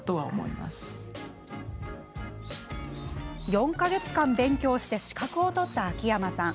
４か月間、勉強して資格を取った秋山さん。